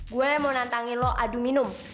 gue mau nantangin lo adu minum